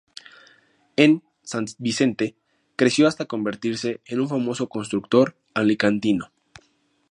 En San Vicente creció hasta convertirse en un famoso constructor alicantino.